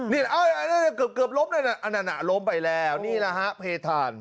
เกือบล้มล้มไปแล้วนี่แหละฮะเพธาน